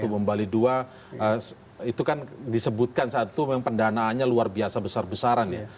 bom bali dua itu kan disebutkan satu memang pendanaannya luar biasa besar besaran ya